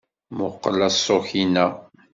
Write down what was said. Mmuqqel aṣuk-inna.